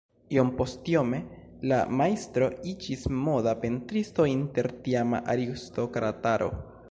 Iompostiome la majstro iĝis moda pentristo inter tiama aristokrataro.